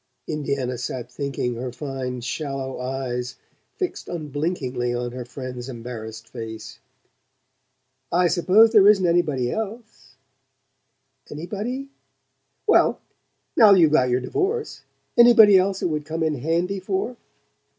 Indiana sat thinking, her fine shallow eyes fixed unblinkingly on her friend's embarrassed face. "I suppose there isn't anybody else ?" "Anybody ?" "Well now you've got your divorce: anybody else it would come in handy for?"